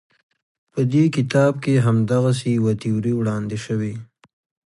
په دې کتاب کې همدغسې یوه تیوري وړاندې شوې.